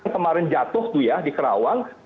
kemarin jatuh tuh ya di kerawang